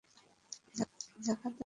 যাকাত আদায় করি।